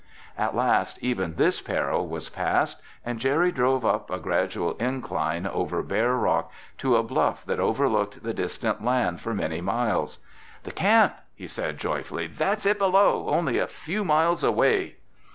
At last even this peril was past, and Jerry drove up a gradual incline over bare rock to a bluff that overlooked the distant land for many miles. "The camp!" he said joyfully. "That's it below—only a few miles away!"